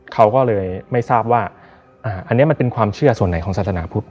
เขาก็เลยไม่ทราบว่าอันนี้มันเป็นความเชื่อส่วนไหนของศาสนาพุทธ